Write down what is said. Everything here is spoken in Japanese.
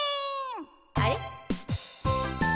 あれ？